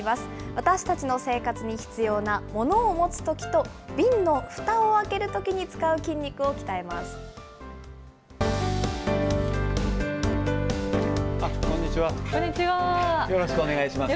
私たちの生活に必要な、物を持つときと、瓶のふたを開けるときに使う筋肉を鍛えます。